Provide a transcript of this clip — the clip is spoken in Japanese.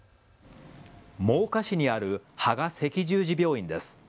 真岡市にある芳賀赤十字病院です。